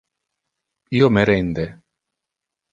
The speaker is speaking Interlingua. Io me rende.